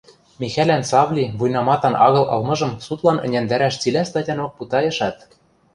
Михӓлӓн Савли вуйнаматан агыл ылмыжым судлан ӹняндӓрӓш цилӓ статянок путайышат